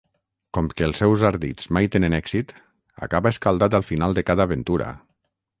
Com que els seus ardits mai tenen èxit, acaba escaldat al final de cada aventura.